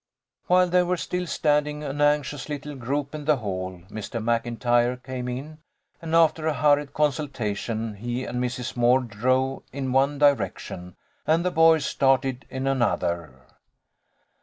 While they were still standing, an anxious little group in the hall, Mr. Maclntyre came in, and after a hurried consultation he and Mrs. Moore drove in one direction, and the boys started in another.